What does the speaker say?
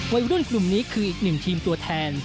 วัยรุ่นกลุ่มนี้คืออีกหนึ่งทีมตัวแทน